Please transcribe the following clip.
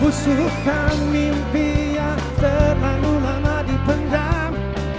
usulkan mimpi yang terlalu lama dipenggam